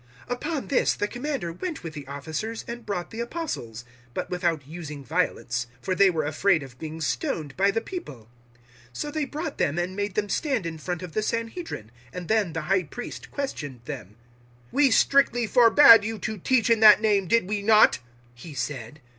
005:026 Upon this the Commander went with the officers, and brought the Apostles; but without using violence; for they were afraid of being stoned by the people. 005:027 So they brought them and made them stand in front of the Sanhedrin. And then the High Priest questioned them. 005:028 "We strictly forbad you to teach in that name did we not?" he said.